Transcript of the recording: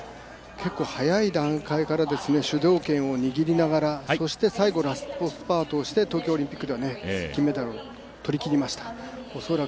いよいよスタノ選手も結構早い段階から主導権を握りながら、そして最後、ラストスパートをして東京オリンピックでは金メダルを取りきりました。